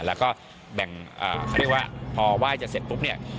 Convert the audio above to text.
แล้วก็พอไหว้จะเสร็จปุ๊บ